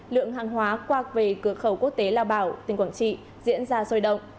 lượng hàng hóa qua về cửa khẩu quốc tế lao bảo tỉnh quảng trị diễn ra sôi động